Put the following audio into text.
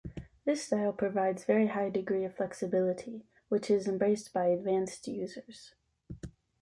This style provides very high degree of flexibility which is embraced by advanced users.